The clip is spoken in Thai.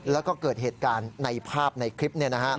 แล้วก็เกิดเหตุการณ์ในภาพในคลิป